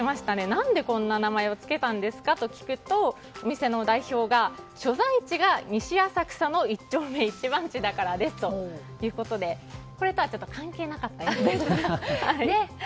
何でこんな名前を付けたんですかと聞くとお店の代表が所在地が西浅草の１丁目１番地だからですということでこれとは関係なかったようです。